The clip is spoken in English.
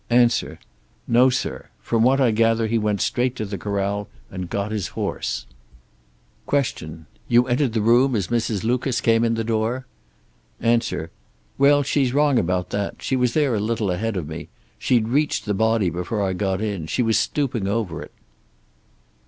A. "No, sir. From what I gather he went straight to the corral and got his horse." Q. "You entered the room as Mrs. Lucas came in the door?" A. "Well, she's wrong about that. She was there a little ahead of me. She'd reached the body before I got in. She was stooping over it."